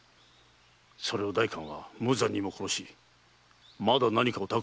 それを代官は無残にも殺しまだ何かを企んでおる。